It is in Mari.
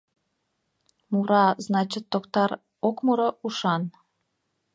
Мура, значыт, токтар, ок муро — ушан».